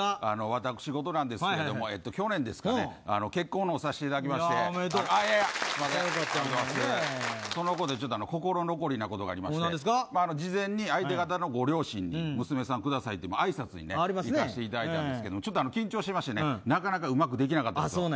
私事なんですけども去年、結婚の方させていただきましてそのことで心残りなことがありまして事前に、相手方のご両親に娘さんをくださいってあいさつに行かせていただいたんですけどちょっと緊張しましてねなかなかうまくできなかったんですよ。